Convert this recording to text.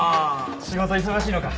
仕事忙しいのか？